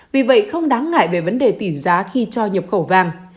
vì vậy không đáng ngại về vấn đề tỷ giá khi cho nhập khẩu vàng